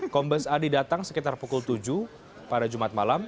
kombes adi datang sekitar pukul tujuh pada jumat malam